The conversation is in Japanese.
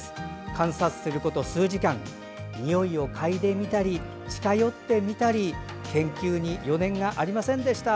観察すること数時間においをかいでみたり近寄ってみたり研究に余念がありませんでした。